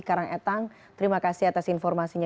karang etang terima kasih atas informasinya